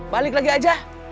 balik lagi aja